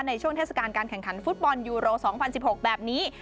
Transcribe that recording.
เทศกาลการแข่งขันฟุตบอลยูโร๒๐๑๖แบบนี้